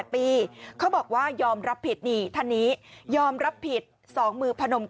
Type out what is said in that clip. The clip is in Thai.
โรดเจ้าเจ้าเจ้าเจ้าเจ้าเจ้าเจ้าเจ้าเจ้าเจ้าเจ้าเจ้าเจ้าเจ้าเจ้า